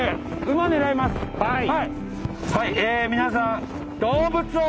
はい！